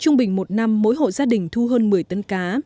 trung bình một năm mỗi hộ gia đình thu hơn một mươi tấn cá